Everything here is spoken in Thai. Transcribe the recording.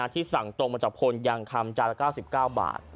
ที่สั่งตรงมาจากพลนิยางคัมจาร๙๙บาท